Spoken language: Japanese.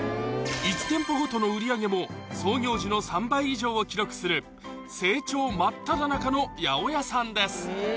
１店舗ごとの売り上げも創業時の３倍以上を記録する成長真っただ中の八百屋さんです